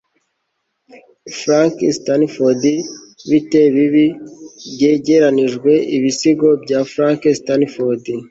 Frank Stanford Bite Bibi Byegeranijwe Ibisigo bya Frank Stanford